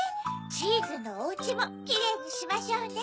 チーズのおうちもキレイにしましょうね。